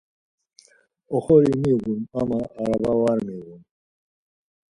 Oxori miğun ama araba var miğun.